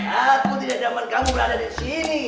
aku tidak zaman kamu berada di sini